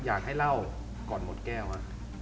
อยากให้เล่าก่อนหมดแก้วฮะ